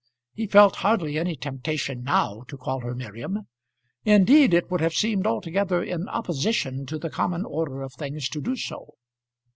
He felt hardly any temptation now to call her Miriam. Indeed it would have seemed altogether in opposition to the common order of things to do so.